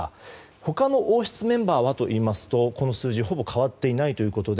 他の王室メンバーはというとこの数字ほぼ変わっていないということで